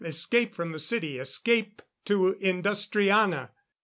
Escape from the city! Escape to Industriana!"